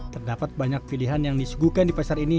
terdapat banyak pilihan yang disuguhkan di pasar ini